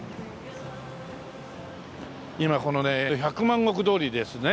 今このね百万石通りですね。